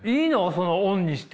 そのオンにして。